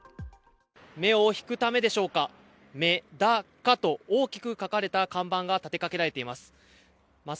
目を引くためでしょうか、「めだか」と大きく書かれた看板が立てかけられています。